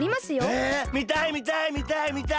えみたいみたいみたいみたい！